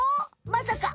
まさか。